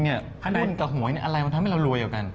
หุ้นกับหวยอะไรมันทำให้เรารวยเหลือกัน